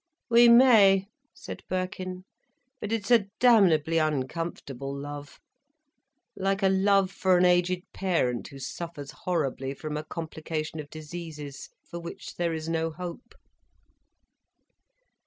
"We may," said Birkin. "But it's a damnably uncomfortable love: like a love for an aged parent who suffers horribly from a complication of diseases, for which there is no hope."